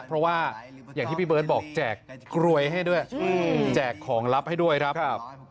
เพราะว่าอย่างที่พี่เบิร์ตบอกแจกกรวยให้ด้วยแจกของลับให้ด้วยครับ